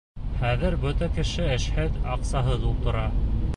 Хәҙер бөтә кеше эшһеҙ, аҡсаһыҙ ултыра.